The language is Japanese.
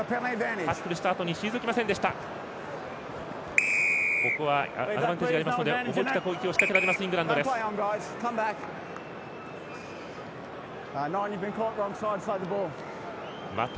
タックルしたあとに退きませんでした。